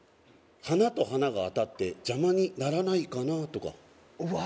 「鼻と鼻が当たって邪魔にならないかな？」とかうわ